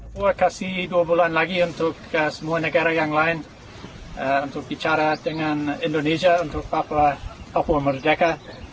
saya kasih dua bulan lagi untuk semua negara yang lain untuk bicara dengan indonesia untuk papua merdeka